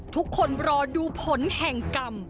ทุกคนรอดูผลแห่งกรรม